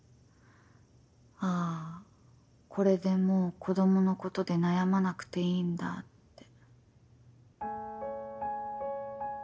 あこれでもう子供のことで悩まなくていいんだって。